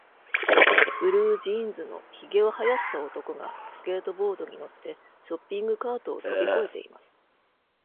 ブルージーンズのひげを生やした男がスケートボードに乗って、ショッピングカートを飛び越えています。